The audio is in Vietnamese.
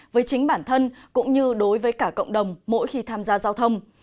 với chính bản thân cũng như đối với cả cộng đồng mỗi khi tham gia giao thông